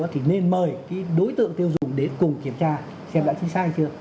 thì nên mời cái đối tượng tiêu dụng đến cùng kiểm tra xem đã chính xác hay chưa